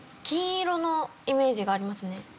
金色のイメージがありますね。